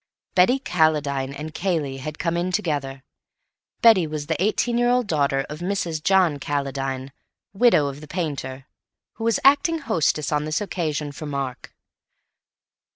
Betty Calladine and Cayley had come in together. Betty was the eighteen year old daughter of Mrs. John Calladine, widow of the painter, who was acting hostess on this occasion for Mark.